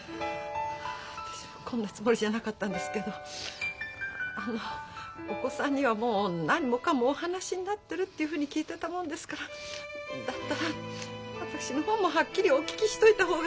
私こんなつもりじゃなかったんですけどあのお子さんにはもう何もかもお話しになってるってふうに聞いてたもんですからだったら私の方もはっきりお聞きしといた方がって。